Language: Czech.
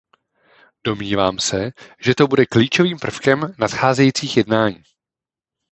Domnívám se, že to bude klíčovým prvkem nadcházejících jednání.